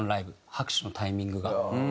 拍手のタイミングが。